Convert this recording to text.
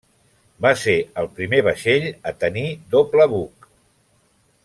Va ser el primer vaixell a tenir doble buc.